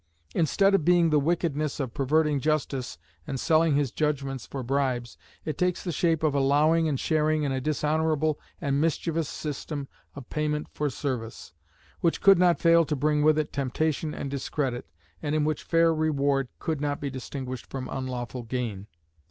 Instead of being the wickedness of perverting justice and selling his judgments for bribes, it takes the shape of allowing and sharing in a dishonourable and mischievous system of payment for service, which could not fail to bring with it temptation and discredit, and in which fair reward could not be distinguished from unlawful gain.